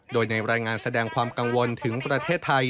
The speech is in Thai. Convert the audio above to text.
โดยในรายงานแสดงความกังวลถึงประเทศไทย